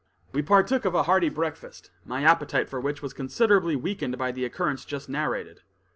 We partook of a hearty breakfast, my appetite for which was considerably weakened by the occurrence just narrated.